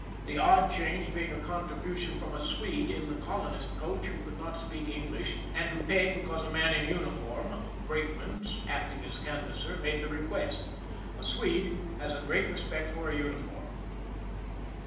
The odd change being a contribution from a Swede in the colonist coach who could not speak English, and who paid because a man in uniform, a brakeman acting as canvasser, made the request. A Swede has a great respect for a uniform.